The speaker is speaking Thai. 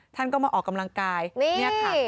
ท่านก็มาออกกำลังกายนี่ค่ะ